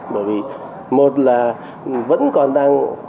bởi vì một là vẫn còn đang